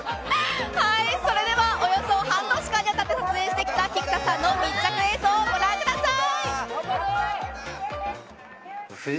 およそ半年間にわたって撮影してきた菊田さんの密着映像をご覧ください。